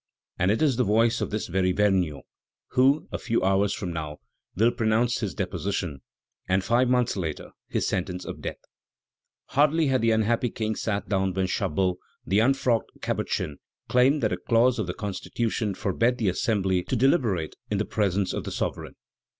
And it is the voice of this very Vergniaud who, a few hours from now, will pronounce his deposition, and five months later his sentence of death. Hardly had the unhappy King sat down when Chabot, the unfrocked Capuchin, claimed that a clause of the Constitution forbade the Assembly to deliberate in presence of the sovereign.